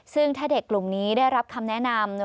ซึ่งถ้าเด็กกลุ่มนี้ได้รับคำแนะนำ